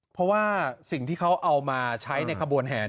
เพราะว่าสิ่งที่เขาเอามาใช้ในขบวนแห่